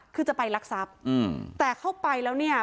คือจะไปรักทรัพย์แต่เข้าไปแล้วเนี่ย